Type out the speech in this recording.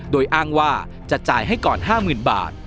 โดยอ้างว่าจะจ่ายให้ก่อนห้าหมื่นบาท